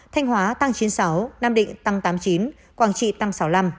thanh hóa tăng chín mươi sáu nam định tăng tám mươi chín quảng trị tăng sáu mươi năm